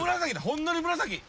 ほんのり紫！